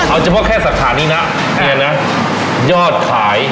เอาเฉพาะแค่สถานีน่ะยอดขาย